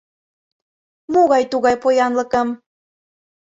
— Могай тугай поянлыкым?